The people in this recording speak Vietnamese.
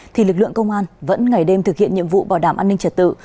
thì lực lượng công an vẫn ngày đêm thực hiện nhiệm vụ bảo đảm an ninh trật tự